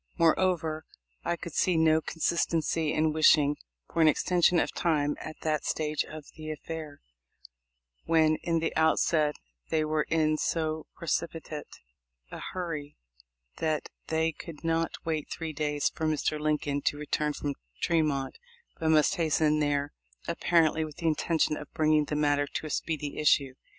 More over, I could see no consistency in wishing for an extension of time at that stage of the affair, when in the outset they were in so precipitate a hurry that they could not wait three days for Mr. Lincoln to return from Tremont, but must hasten there, apparently with the intention of bringing the matter to a speedy issue.